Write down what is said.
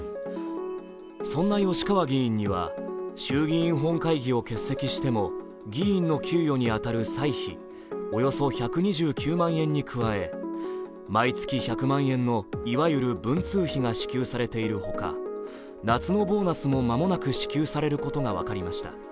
そんな吉川議員には衆議院本会議を欠席しても議員の給与に当たる歳費、およそ１２９万円に加え毎月１００万円の、いわゆる文通費が支給されている他夏のボーナスも間もなく支給されることが分かりました。